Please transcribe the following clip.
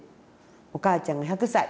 お母ちゃんが１００歳。